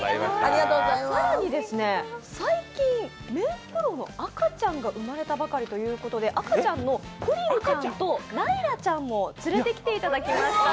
更に最近、メンフクロウの赤ちゃんが生まれたばかりということで赤ちゃんのフリルちゃんとナイラちゃんを連れてきていただきました。